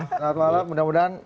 selamat malam mudah mudahan